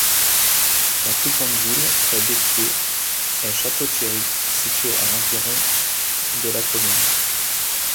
La plus grande ville près d'Épieds est Château-Thierry, située à environ de la commune.